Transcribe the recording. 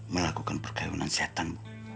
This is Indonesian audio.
melakukan perkahwinan setan